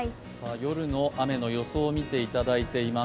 夜の雨の予想を見ていただいています。